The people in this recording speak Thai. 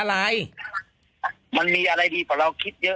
มันมีอะไรที่เราคิดเยอะ